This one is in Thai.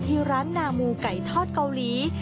ที่ร้านนามูไก่ทอดเกาหลี